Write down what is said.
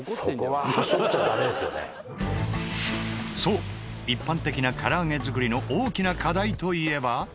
そう一般的な唐揚げ作りの大きな課題といえば。